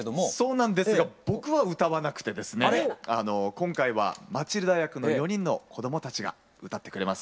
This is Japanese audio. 今回はマチルダ役の４人の子どもたちが歌ってくれます。